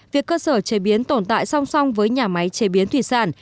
việc cơ sở chế biến tồn tại song song với nhà máy chế biến thủy sản